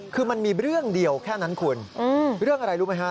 คือมันมีเรื่องเดียวแค่นั้นคุณเรื่องอะไรรู้ไหมฮะ